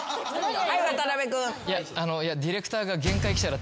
はい渡辺君。